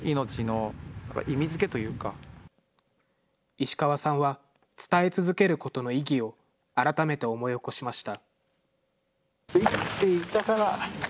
石川さんは、伝え続けることの意義を改めて思い起こしました。